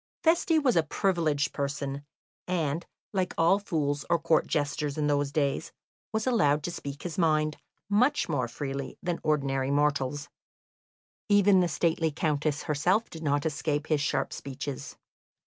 Feste was a privileged person, and, like all fools or Court jesters in those days, was allowed to speak his mind much more freely than ordinary mortals; even the stately Countess herself did not escape his sharp speeches.